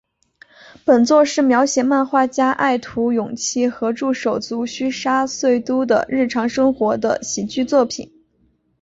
本作是描写漫画家爱徒勇气和助手足须沙穗都的日常生活的喜剧作品。